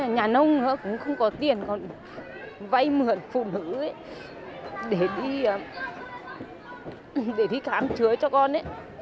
nhà nông cũng không có tiền còn vay mượn phụ nữ để đi khám chứa cho con